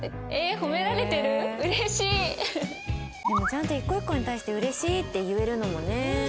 ちゃんと１個１個に対して「うれしい」って言えるのもね